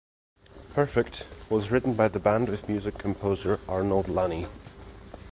"Perfect" was written by the band with music composer Arnold Lanni.